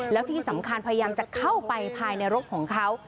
แล้วที่สำคัญพยายามจะเข้าไปภายในรถของเขา